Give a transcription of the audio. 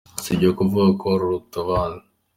Sibyo kuvuga ko hari uruta abandi